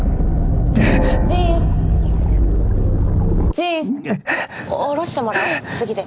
ジン降ろしてもらおう次で。